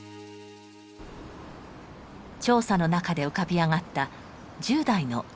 調査の中で浮かび上がった１０代のとみいさんの姿。